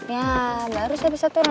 ya baru saya bisa turun